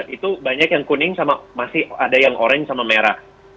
itu banyak yang kuning masih ada yang orange sama merah